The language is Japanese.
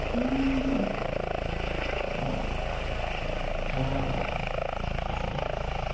「ねえはなのこときかせて」。